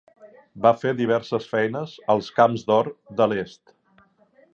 Va fer diverses feines als Camps d'Or de l'Est.